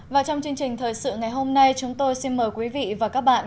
và trong chương trình thời sự ngày hôm nay chúng tôi xin mời quý vị và các bạn